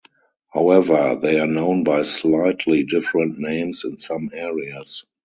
However, they are known by slightly different names in some areas.